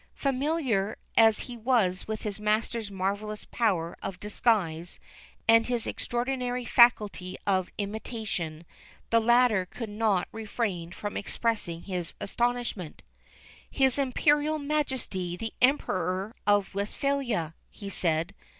Familiar as he was with his master's marvelous power of disguise and his extraordinary faculty of imitation, the latter could not refrain from expressing his astonishment. "His Imperial Majesty the Emperor of Westphalia," he said.